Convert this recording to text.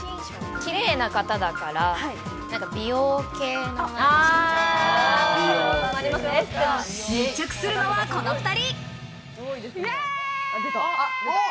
キレイな方だから、美容系の密着するのはこの２人。